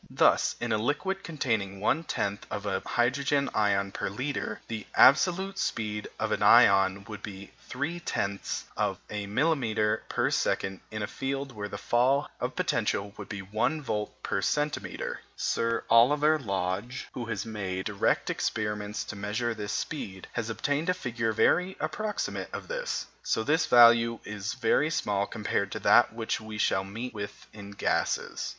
Thus, in a liquid containing 1/10th of a hydrogen ion per litre, the absolute speed of an ion would be 3/10ths of a millimetre per second in a field where the fall of potential would be 1 volt per centimetre. Sir Oliver Lodge, who has made direct experiments to measure this speed, has obtained a figure very approximate to this. This value is very small compared to that which we shall meet with in gases.